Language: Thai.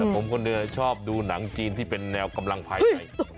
แต่ผมคนเดียวชอบดูหนังจีนที่เป็นแนวกำลังภายใน